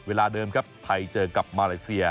เวลาเดิมครับไทยเจอกับมาเลเซีย